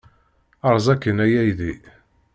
Erẓ akkin, a aydi!